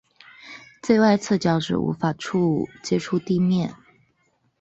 最外侧脚趾无法接触地面。